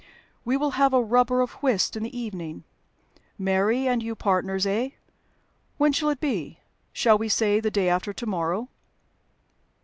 We will have a rubber of whist in the evening. Mary and you partners eh? When shall it be? Shall we say the day after to morrow?"